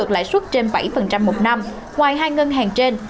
lãi suất trên bảy một năm ngoài hai ngân hàng trên